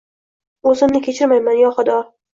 Oʻzimni kechirmayman, yo xudo